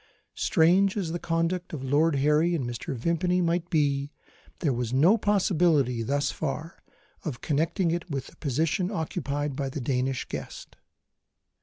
Strange as the conduct of Lord Harry and Mr. Vimpany might be, there was no possibility, thus far, of connecting it with the position occupied by the Danish guest.